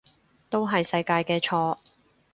都係世界嘅錯